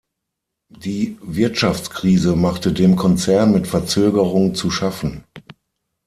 Die Wirtschaftskrise machte dem Konzern mit Verzögerung zu schaffen.